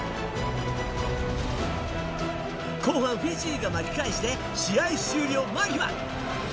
後半、フィジーが巻き返して試合終了間際。